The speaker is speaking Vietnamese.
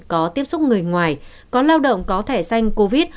có tiếp xúc người ngoài có lao động có thẻ xanh covid